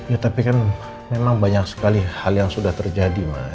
ya tapi kan memang banyak sekali hal yang sudah terjadi